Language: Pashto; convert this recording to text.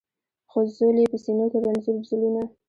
خو ځول یې په سینو کي رنځور زړونه